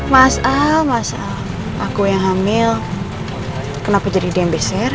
mas al mas al aku yang hamil kenapa jadi diem beser